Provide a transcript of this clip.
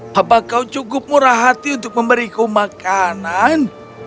apakah kau cukup murah hati untuk memberiku makanan